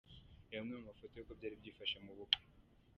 Reba amwe mu mafoto y’uko byari byifashe mu bukwe:.